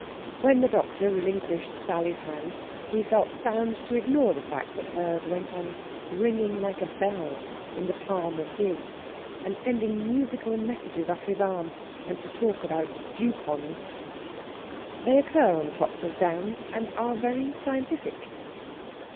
When the doctor relinquished Sally's hand, he felt bound to ignore the fact that hers went on ringing like a bell in the palm of his, and sending musical messages up his arm; and to talk about dewponds. They occur on the tops of downs, and are very scientific.